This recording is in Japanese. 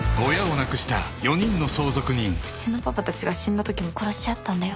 「うちのパパたちが死んだときも殺し合ったんだよ」